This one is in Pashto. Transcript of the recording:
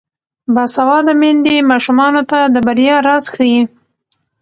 باسواده میندې ماشومانو ته د بریا راز ښيي.